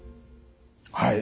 はい。